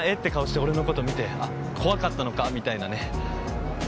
て顔して俺のこと見てあっ怖かったのかみたいなね